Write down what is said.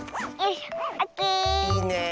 いいね。